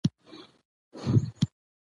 هم چې ښځه څنګه ده